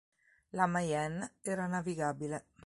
La Mayenne era navigabile.